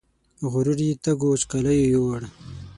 غرور یې تږو وچکالیو یووړ